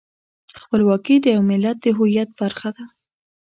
خپلواکي د یو ملت د هویت برخه ده.